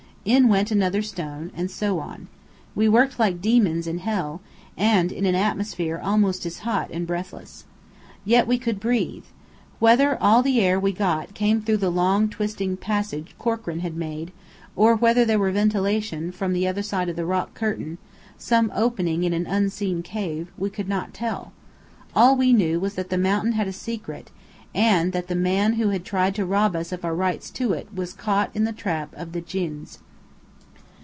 In went another stone, and so on. We worked like demons in hell, and in an atmosphere almost as hot and breathless. Yet we could breathe. Whether all the air we got came through the long twisting passage Corkran had made, or whether there were ventilation from the other side of the rock curtain some opening in an unseen cave we could not tell. All we knew was that the mountain had a secret, and that the man who had tried to rob us of our rights to it, was caught in the trap of the djinns.